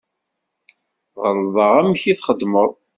Ɣelḍeɣ amek i txedmeɣ.